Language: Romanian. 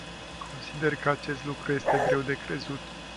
Consider că acest lucru este greu de crezut.